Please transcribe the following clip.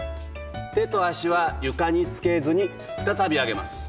手と足は床につけずに再び上げます。